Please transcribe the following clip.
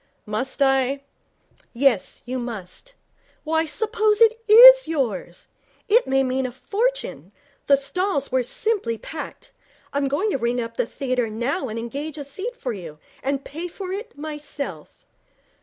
'Must I?' 'Yes, you must. Why, suppose it is yours! It may mean a fortune. The stalls were simply packed. I'm going to ring up the theatre now and engage a seat for you, and pay for it myself.'